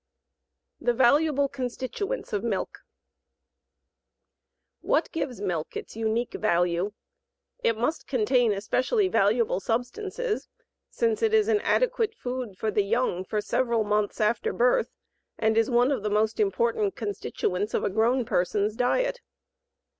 THE VALUABLE CONSTITUENTS OF MILK What gives milk its unique value? It must contain especially valuable substances, since it is an adequate food for the young for several months after birth and is one of the most important constituents of a grown person's diet.